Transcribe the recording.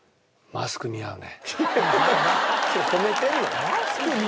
「マスク似合う」って。